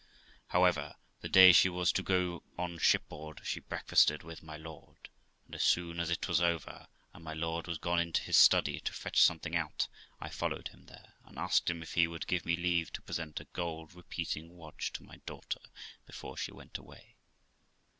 However, the day she was to go on shipboard, she breakfasted with my lord, and as soon as it was over, and my lord was gone into his study to fetch something out, I followed him there, and asked him if he would give me leave to present a gold repeating watch fo my daughter before THE LIFE OF ROXANA 415 she went away.